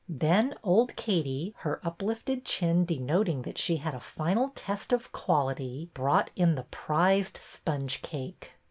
Then old Katie, her uplifted chin denoting that she had a final test of quality," brought in the prized sponge cake.